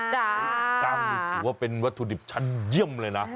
กะเพราะว่าเป็นวัตถุดิบชันเยี่ยมเลยนะ